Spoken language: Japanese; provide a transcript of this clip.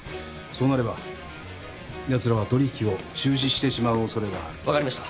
そうなればやつらは取引を中止してしまう恐れがある。